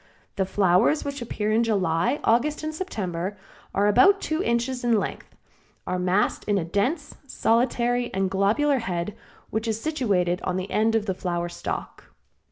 The flowers which appear in July, August and September and are about two inches in length, are massed in a dense, solitary and globular head, which is situated at the end of the flower stalk.